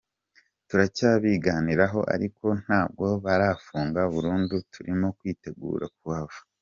Turacyabiganiraho ariko ntabwo barafunga burundu, turimo kwitegura kuhava.